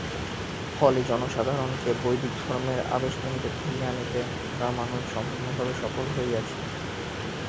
ফলে জনসাধারণকে বৈদিক ধর্মের আবেষ্টনীতে ফিরাইয়া আনিতে রামানুজ সম্পূর্ণভাবে সফল হইয়াছিলেন।